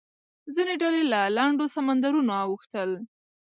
ځینې ډلې له لنډو سمندرونو اوښتل.